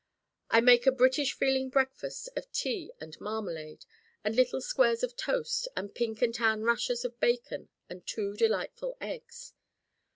I make a British feeling breakfast of tea and marmalade and little squares of toast and pink and tan rashers of bacon and two delightful eggs.